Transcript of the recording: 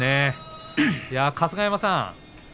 春日山さん